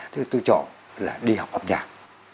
thì tôi chọn là đi học âm nhạc